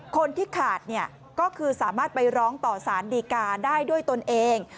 คนที่ขาดเนี่ยก็คือสามารถไปร้องต่อสารดีกาได้ด้วยตนเอง